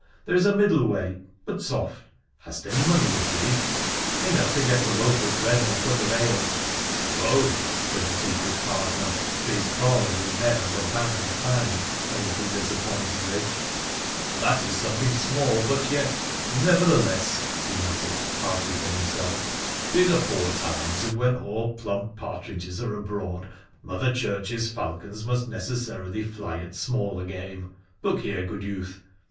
There is a middle way. But soft ! Hast any money with thee ?'' Enough to get a loaf of bread and a cup of ale.' ' Oh !' said the secret pardoner (for his calling was then under ban and fine), a little disappointedly, ' that is somewhat small, but yet, nevertheless,' he muttered partly to himself, ' these are poor times, and when all plump partridges are abroad Mother Church's falcons must necessarily fly at smaller game. Look here ! good youth.